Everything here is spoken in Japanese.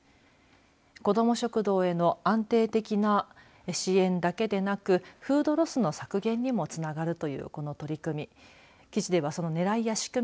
子ども食堂への安定的な支援だけでなくフードロスの削減にもつながるというこの取り組み。